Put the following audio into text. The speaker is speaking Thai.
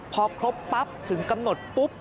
พอครบปั๊บถึงกำหนดปุ๊บ